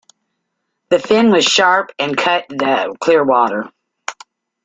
The fin was sharp and cut the clear water.